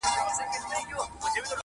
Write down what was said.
نه په صرفو نه په نحو دي پوهېږم!!